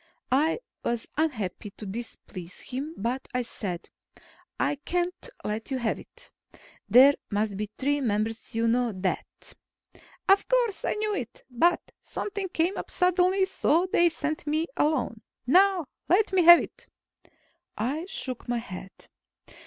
I was unhappy to displease him, but I said, "I can't let you have it. There must be three members. You know that." "Of course, I know it. But something came up suddenly, so they sent me alone. Now, let me have it." I shook my head.